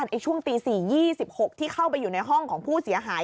ช่วงตี๔๒๖ที่เข้าไปอยู่ในห้องของผู้เสียหาย